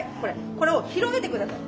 これを広げて下さい。